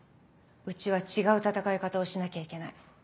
うちは違う戦い方をしなきゃいけない。